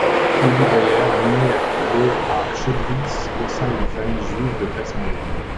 Ulli Beier naît le à Chotwitz au sein d'une famille juive de classe moyenne.